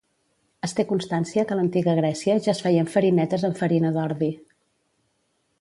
Es té constància que a l'antiga Grècia ja es feien farinetes amb farina d'ordi.